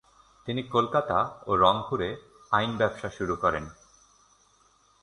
তিনি কলকাতা ও রংপুরে আইন ব্যবসা শুরু করেন।